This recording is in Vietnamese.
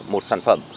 một sản phẩm